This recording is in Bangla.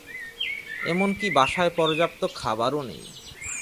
এমনকি বাসায় পর্যাপ্ত খাবারও নেই।